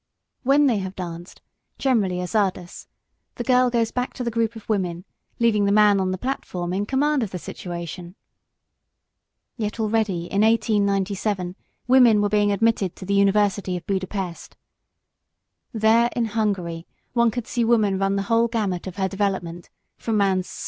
When they have danced, generally a czardas, the girl goes back to the group of women, leaving the man on the platform in command of the situation! Yet already in 1897 women were being admitted to the University of Buda Pest. There in Hungary one could see woman run the whole gamut of her development, from man's slave to man's equal.